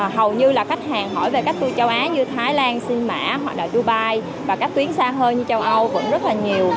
hầu như là khách hàng hỏi về các tour châu á như thái lan sim mã hoặc là dubai và các tuyến xa hơn như châu âu vẫn rất là nhiều